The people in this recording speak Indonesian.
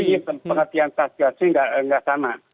tapi pengertian tafsir tafsir nggak sama